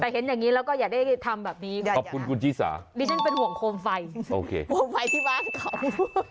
แต่เห็นอย่างนี้แล้วก็อยากได้ทำแบบนี้โดยฉันเป็นห่วงโคมไฟโคมไฟที่บ้านของ